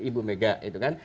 ibu mega gitu kan